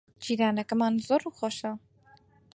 جیرانەکەمان زۆر ڕووخۆشە.